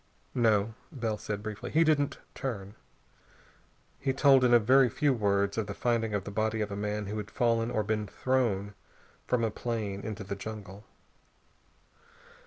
"No," said Bell briefly. "He didn't turn." He told in a very few words of the finding of the body of a man who had fallen or been thrown from a plane into the jungle.